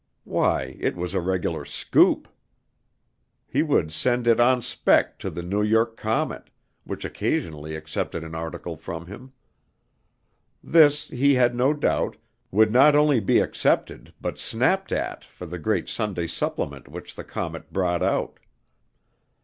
Why, it was a regular "scoop"! He would send it "on spec." to the New York Comet which occasionally accepted an article from him. This, he had no doubt, would not only be accepted but snapped at, for the great Sunday supplement which the Comet brought out.